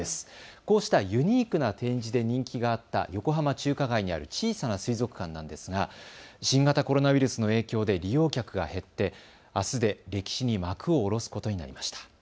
こうしたユニークな展示で人気があった横浜中華街にある小さな水族館なんですが新型コロナウイルスの影響で利用客が減ってあすで歴史に幕を下ろすことになりました。